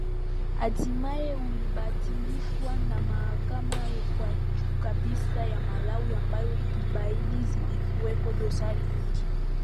hatimae ulibatilishwa na mahakama ya juu kabisa ya Malawi ambayo ilibaini zilikuweko dosari nyingi